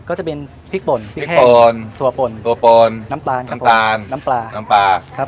ก็จะเป็นพริกป่นพริกปอนถั่วป่นตัวปอนน้ำตาลน้ำตาลน้ำปลาน้ำปลาครับ